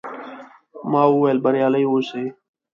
ما وویل، بریالي اوسئ.